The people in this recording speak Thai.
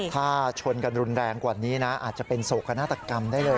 ถ้าชนกันรุนแรงกว่านี้นะอาจจะเป็นโศกนาฏกรรมได้เลย